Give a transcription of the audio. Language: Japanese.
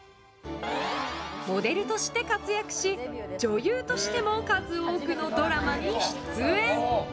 モデルとして活躍し女優としても数多くのドラマに出演。